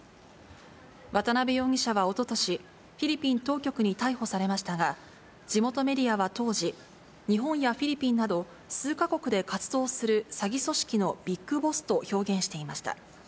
渡辺容疑者はおととし、フィリピン当局に逮捕されましたが、地元メディアは当時、日本やフィリピンなど、数か国で活動する詐欺組織のビッグボスと表現していました。